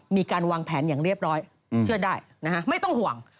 มีการวางแผนอย่างเรียบร้อยเชื่อได้นะฮะไม่ต้องห่วง